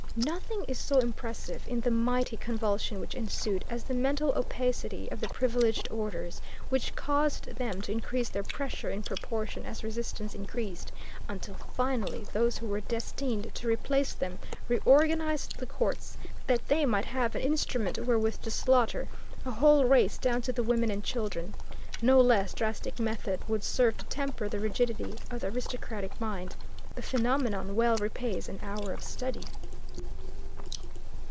Nothing is so impressive in the mighty convulsion which ensued as the mental opacity of the privileged orders, which caused them to increase their pressure in proportion as resistance increased, until finally those who were destined to replace them reorganized the courts, that they might have an instrument wherewith to slaughter a whole race down to the women and children. No less drastic method would serve to temper the rigidity of the aristocratic mind. The phenomenon well repays an hour of study.